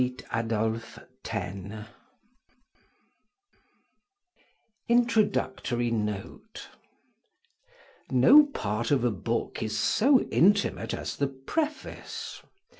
TAINE INTRODUCTORY NOTE _No part of a book is so intimate as the Preface.